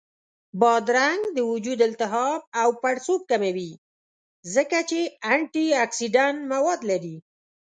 بادرنګ د وجود التهاب او پړسوب کموي، ځکه چې انټياکسیدنټ مواد لري